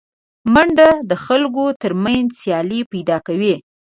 منډه د خلکو تر منځ سیالي پیدا کوي